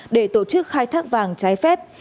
để tổ chức khai thác vàng trái phép